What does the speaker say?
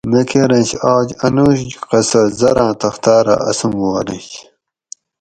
نہ کۤرینش آج انوج قصہ زراں تختا رہ اسوم والینش۔